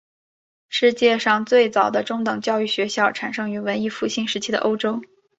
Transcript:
世界上最早的中等教育学校产生于文艺复兴时期的欧洲。